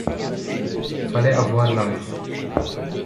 Fallait avoir l’âge.